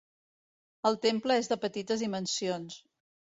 El temple és de petites dimensions.